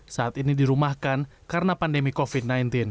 saat ini dirumahkan karena pandemi covid sembilan belas